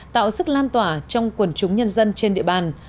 tạo sức lan tỏa trong quần chúng nhân dân trên địa bàn